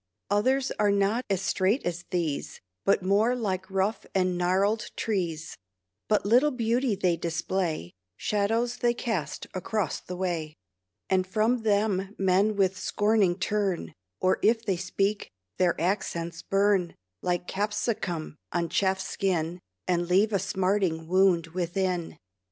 Others are not as straight as these, But more like rough and gnarled trees; But little beauty they display; Shadows they cast across the way; And from them men with scorning turn, Or, if they speak, their accents burn Like capsicum on chafed skin, And leave a smarting wound within.